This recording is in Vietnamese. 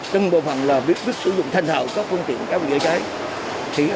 từng bộ phận là biết sử dụng thanh hạo các phương tiện chữa cháy